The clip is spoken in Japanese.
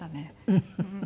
うん。